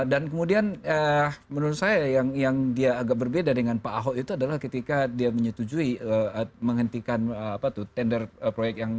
dan kemudian menurut saya yang dia agak berbeda dengan pak ahok itu adalah ketika dia menyetujui menghentikan tender proyek yang